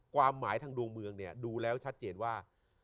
ความหมายทางดวงเมืองเนี่ยดูแล้วชัดเจนว่า